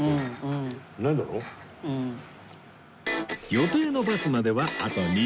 予定のバスまではあと２０分